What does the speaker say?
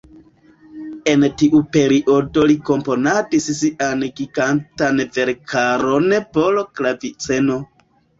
En tiu periodo li komponadis sian gigantan verkaron por klaviceno.